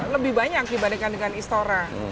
lebih banyak dibandingkan dengan istora